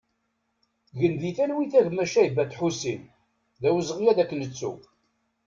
Gen di talwit a gma Caybet Ḥusin, d awezɣi ad k-nettu!